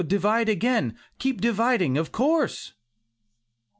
divide again; keep dividing, of course!"